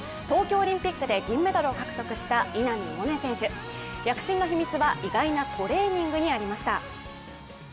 東京オリンピックで銀メダルを獲得した稲見萌寧選手、躍進の秘密は意外なトレーニングにありました。